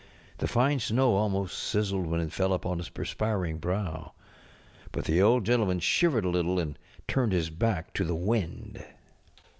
The fine snow almost sizzled when it fell upon his perspir┬¼ ing brow. But the Old Gentleman shivered a little and turned his back to the wind.